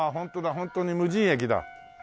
ホントに無人駅だ。